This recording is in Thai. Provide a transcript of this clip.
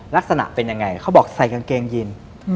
ลักษณะเป็นยังไงเขาบอกใส่กางเกงยิน